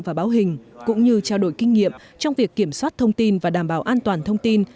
và báo hình cũng như trao đổi kinh nghiệm trong việc kiểm soát thông tin và đảm bảo an toàn thông tin